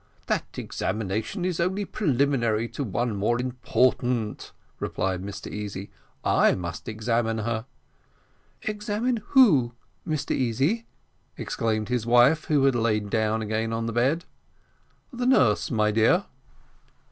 "That examination is only preliminary to one more important," replied Mr Easy. "I must examine her." "Examine who, Mr Easy?" exclaimed his wife, who had lain down again on the bed. "The nurse, my dear."